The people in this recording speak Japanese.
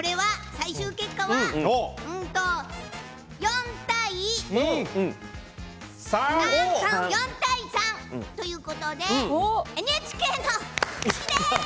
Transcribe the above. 最終結果は４対３！ということでＮＨＫの勝ちです！